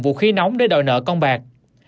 vũ khí nóng để đòi nợ con bạc